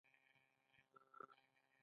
ایا د نعمتونو قدر پیژنئ؟